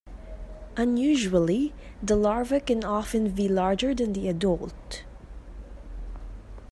Unusually, the larva can often be larger than the adult.